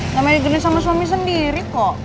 nyamain gini sama suami sendiri kok